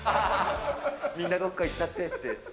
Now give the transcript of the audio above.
みんな、どっか言っちゃってって。